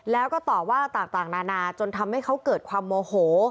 แล้วก็ต่อว่าต่างนานาจนทำให้เขาเกิดความโมโห